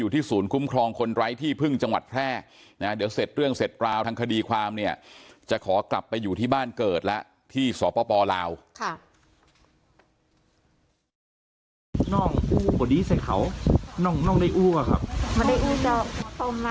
ที่ศูนย์คุ้มครองคนไร้ที่พึ่งจังหวัดแพร่นะเดี๋ยวเสร็จเรื่องเสร็จราวทางคดีความเนี่ยจะขอกลับไปอยู่ที่บ้านเกิดแล้วที่สปลาว